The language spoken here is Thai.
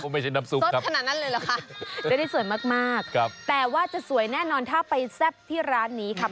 ไม่ใช่น้ำซุปครับได้ได้สวยมากแต่ว่าจะสวยแน่นอนถ้าไปแซ่บที่ร้านนี้ครับ